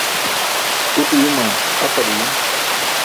Uṭ uyuma, aqal uyum?